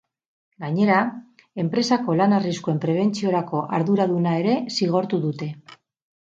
Gainera, enpresako lan-arriskuen prebentziorako arduraduna ere zigortu dute.